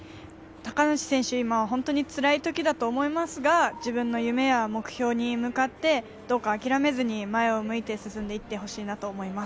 高梨選手、今、本当につらい時だと思いますが、自分の夢や目標に向かって諦めずに、前を向いて進んでいってほしいなと思います。